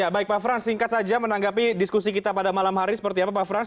baik pak frans singkat saja menanggapi diskusi kita pada malam hari seperti apa pak frans